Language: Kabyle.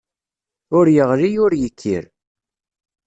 Ur yeɣli, ur yekkir.